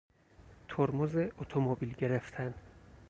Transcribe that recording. ترمز اتومبیل گرفتن